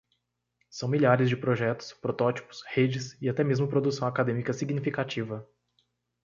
São milhares de projetos, protótipos, redes e até mesmo produção acadêmica significativa.